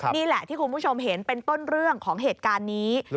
นี่แหละที่คุณผู้ชมเห็นเป็นต้นเรื่องของเหตุการณ์นี้